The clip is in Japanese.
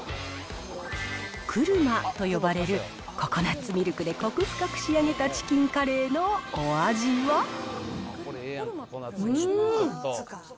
クルマと呼ばれるココナッツミルクでコク深く仕上げたチキンカレうーん。